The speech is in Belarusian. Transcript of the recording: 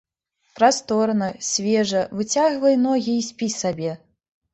Прасторна, свежа, выцягвай ногі і спі сабе.